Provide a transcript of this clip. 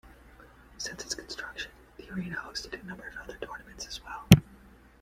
Since its construction, the arena hosted a number of other tournaments as well.